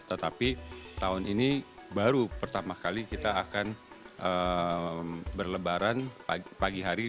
tetapi tahun ini baru pertama kali kita akan berlebaran pagi hari